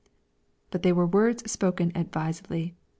But they were words spoken advisedly.